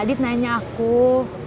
addid ar deletedualnya ngelakuinungh